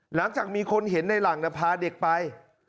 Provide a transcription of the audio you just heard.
หลังจากมีคนเห็นในหลังพาเด็กไป